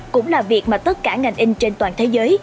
cũng là việc mà tất cả ngành in trên toàn thế giới